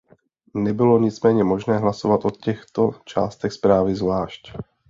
Nebylo nicméně možné hlasovat o těchto částech zprávy zvlášť.